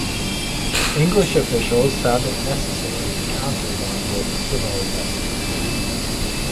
English officials found it necessary to counter them with similar vessels.